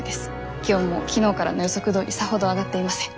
気温も昨日からの予測どおりさほど上がっていません。